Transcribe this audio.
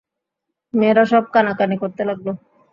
মেয়েরা সব কানাকানি করতে লাগল।